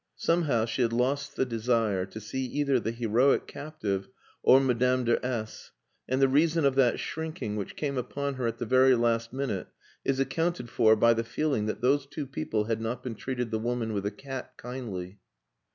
Somehow she had lost the desire to see either the heroic captive or Madame de S , and the reason of that shrinking which came upon her at the very last minute is accounted for by the feeling that those two people had not been treating the woman with the cat kindly.